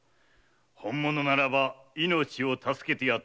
本物ならば命を助けてやってもよい。